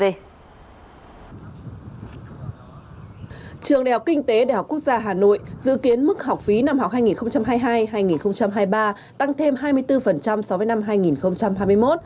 trường đại học kinh tế đại học quốc gia hà nội dự kiến mức học phí năm học hai nghìn hai mươi hai hai nghìn hai mươi ba tăng thêm hai mươi bốn so với năm hai nghìn hai mươi một